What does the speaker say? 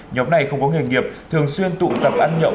nhóm này không có nghề nghiệp thường xuyên tụ tập ăn nhậu